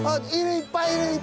いっぱいいる！